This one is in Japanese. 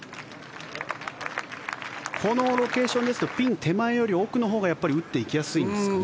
このロケーションですとピン手前より奥のほうがやっぱり打っていきやすいんですかね？